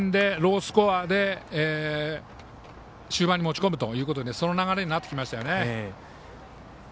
接戦でロースコアで終盤に持ち込むということでその流れになってきましたね。